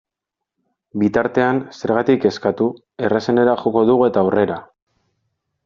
Bitartean, zergatik kezkatu, errazenera joko dugu eta aurrera!